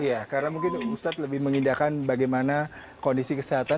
iya karena mungkin ustadz lebih mengindahkan bagaimana kondisi kesehatan